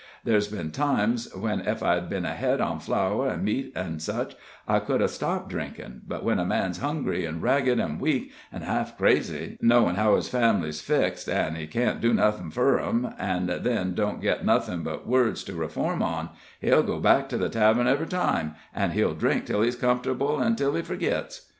Ther's been times when ef I'd been ahead on flour an' meat an' sich, I could a' stopped drinkin', but when a man's hungry, an' ragged, an' weak, and half crazy, knowin' how his family's fixed an he can't do nothin' fur 'em, an' then don't get nothin' but words to reform on, he'll go back to the tavern ev'ry time, an' he'll drink till he's comfortable an' till he forgits.